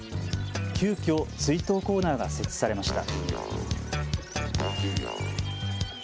急きょ、追悼コーナーが設置されました。